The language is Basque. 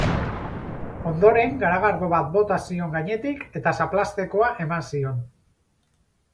Ondoren, garagardo bat bota zion gainetik eta zaplaztekoa eman zion.